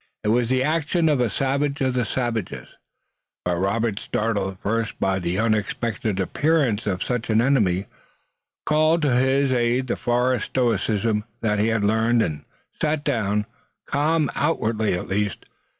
It was the action of a savage of the savages, but Robert, startled at first by the unexpected appearance of such an enemy, called to his aid the forest stoicism that he had learned and sat down, calm, outwardly at least.